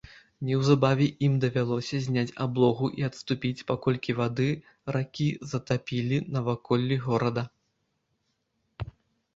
Неўзабаве ім давялося зняць аблогу і адступіць, паколькі вады ракі затапілі наваколлі горада.